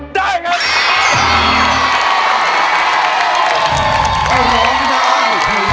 ได้หรือยัง